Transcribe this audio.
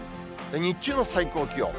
日中の最高気温。